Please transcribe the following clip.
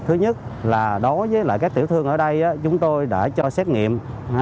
thứ nhất là đối với lại các tiểu thương ở đây chúng tôi đã cho xét nghiệm